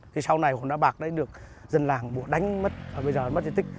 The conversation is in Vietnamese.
thì sau này con đá bạc đấy được dân làng đánh mất bây giờ mất diện tích